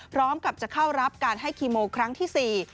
พร้อมกับจะเข้ารับการให้คีโมครั้งที่๔